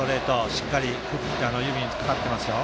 しっかり指にかかってますよ。